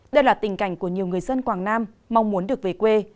đây là tình cảnh của nhiều người dân quảng nam mong muốn được về quê